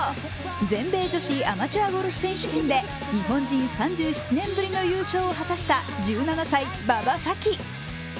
全米女子アマチュアゴルフ選手権で日本人３７年ぶりの優勝を果たした１７歳、馬場咲希。